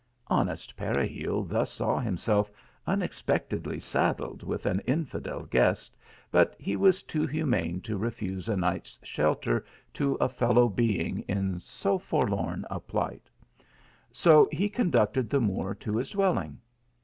Honest Pe: ;gil thus saw himself unexpectedly saddled with an intldel guest, but he was too hu* mane to refuse a night s shelter to a fellow being in so forlorn a plight ; so he conducted the Moor to his dwelling.